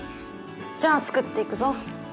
じゃあ作っていくぞ。